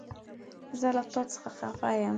زه له تا سخته خفه يم!